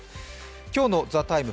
今日の「ＴＨＥＴＩＭＥ，」